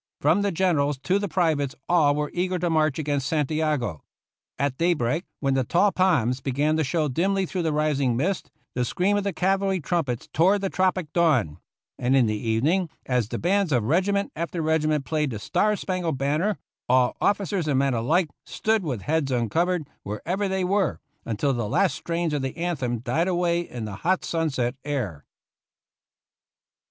From the generals to the privates all were eager to march against Santiago. At daybreak, when the tall palms began to show dimly through the rising mist, the scream of the cavalry trumpets tore the tropic dawn ; and in the evening, as the bands of regiment after regiment played the "Star Spangled Banner," all, officers and men alike, stood with heads uncovered, wher ever they were, until the last strains of the anthem died away in the hot sunset air.